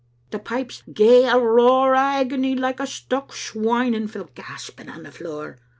The pipes gae a roar o* agony like a stuck swine, and fell gasping on the floor.